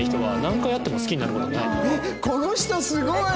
この人すごい！